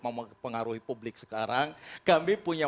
mempengaruhi publik sekarang kami punya